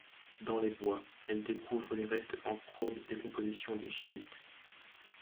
Dans les bois, elle découvre les restes en cours de décomposition des Schilt.